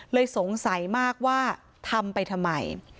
สงสัยมากว่าทำไปทำไม